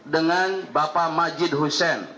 dengan bapak majid hussein